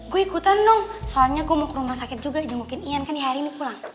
gue ikutan dong soalnya gue mau ke rumah sakit juga jemukin ian kan di hari ini pulang